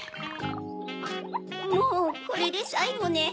もうこれでさいごネ。